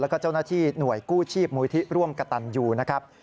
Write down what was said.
แล้วก็เจ้าหน้าที่หน่วยกู้ชีพมูลที่ร่วมกระตันยูนะครับ